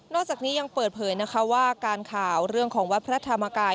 จากนี้ยังเปิดเผยนะคะว่าการข่าวเรื่องของวัดพระธรรมกาย